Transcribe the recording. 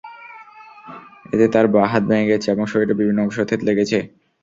এতে তাঁর বাঁ হাত ভেঙে গেছে এবং শরীরের বিভিন্ন অংশ থেঁতলে গেছে।